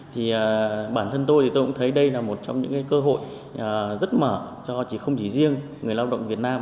thì bản thân tôi thì tôi cũng thấy đây là một trong những cơ hội rất mở cho chỉ không chỉ riêng người lao động việt nam